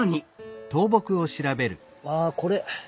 ああこれ。